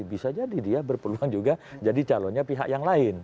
bisa jadi dia berpeluang juga jadi calonnya pihak yang lain